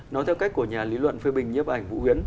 nói theo cách của nhà lý luận phê bình nhếp ảnh vũ yến